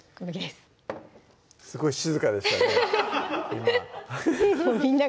すごい静かでしたね